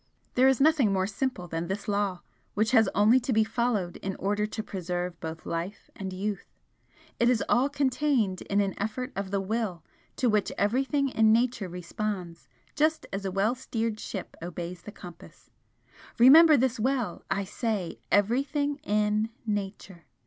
There is nothing more simple than this law, which has only to be followed in order to preserve both life and youth. It 5s all contained in an effort of the WILL, to which everything in Nature responds, just as a well steered ship obeys the compass. Remember this well! I say, EVERYTHING IN NATURE!